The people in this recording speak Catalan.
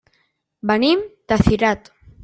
Venim de Cirat.